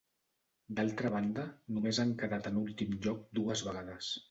D'altra banda, només han quedat en l'últim lloc dues vegades.